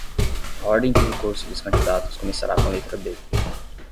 A ordem de recurso dos candidatos começará com a letra B.